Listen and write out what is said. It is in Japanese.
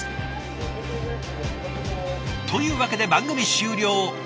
というわけで番組終了。